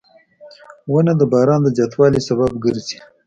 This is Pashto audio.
• ونه د باران د زیاتوالي سبب ګرځي.